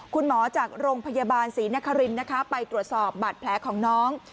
คุณหมอจากโรงพยาบาลศรีนครินนะคะไปตรวจสอบบาดแผลของน้อง